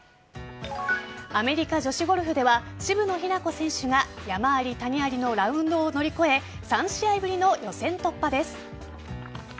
アメリカ女子ゴルフでは渋野日向子選手が山あり谷ありのラウンドを乗り越え３試合ぶりの予選突破です。